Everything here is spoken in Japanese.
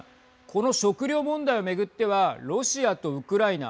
この食料問題を巡ってはロシアとウクライナ